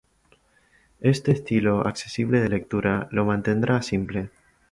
Este estilo accesible de lectura lo mantendrá siempre.